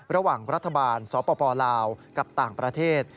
ระหว่างรัฐบาลสปลาวกับต่างประเทศ